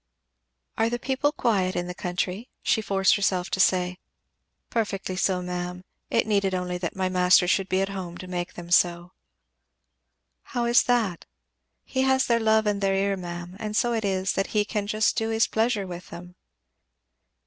"Are the people quiet in the country?" she forced herself to say. "Perfectly quiet, ma'am. It needed only that my master should be at home to make them so." "How is that?" "He has their love and their ear, ma'am, and so it is that he can just do his pleasure with them."